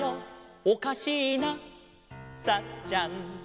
「おかしいなサッちゃん」